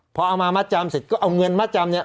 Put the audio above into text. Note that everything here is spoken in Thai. พอเอามามัดจำเสร็จก็เอาเงินมาจำเนี่ย